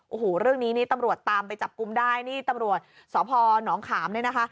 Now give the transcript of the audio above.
โอ้โหเรื่องนี้นี่ตำรวจตามไปจับกลุ่มได้นี่ตำรวจสพนขามเนี่ยนะคะ